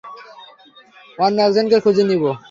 অন্য একজনকে খুঁজে নিব।